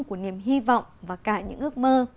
của niềm hy vọng và cả những ước mơ